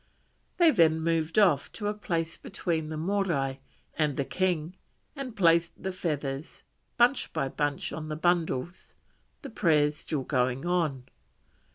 They then moved off to a place between the Morai and the king and placed the feathers bunch by bunch on the bundles, the prayers still going on.